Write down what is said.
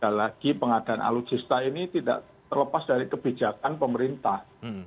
karena sudah lagi pengadaan alutsista ini tidak terlepas dari kebijakan pemerintah